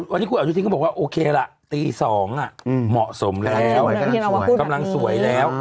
วันนี้คุณอนุทินก็บอกว่าโอเคละตี๒เหมาะสมแล้วกำลังสวยแล้ว